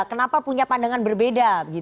kenapa punya pandangan berbeda